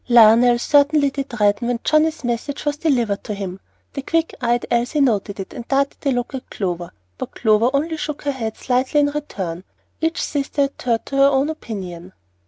LIONEL certainly did redden when Johnnie's message was delivered to him. The quick eyed Elsie noted it and darted a look at Clover, but Clover only shook her head slightly in return. Each sister adhered to her own opinion.